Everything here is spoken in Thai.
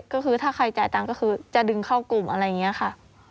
ก็คือถ้าใครจ่ายตังค์ก็คือจะดึงเข้ากลุ่มอะไรอย่างนี้ค่ะ